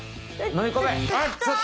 飲み込め！